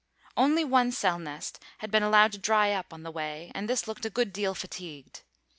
Only one cell nest had been allowed to dry up on the way, and this looked a good deal fatigued.